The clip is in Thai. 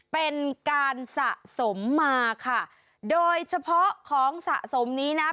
เป็นการสะสมมาค่ะโดยเฉพาะของสะสมนี้นะ